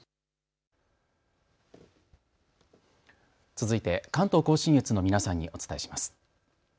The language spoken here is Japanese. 続いて関東甲信越の皆さんにお伝えします。